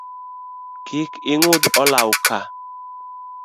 Kik ing’udh olawo ka